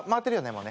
もうね。